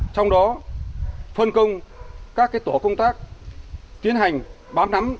trong đó phân công các tổ công tác tiến hành bám nắm